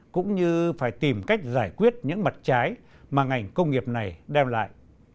cũng như phải tìm cách giải quyết những mặt trái mà ngành công nghiệp này đem lại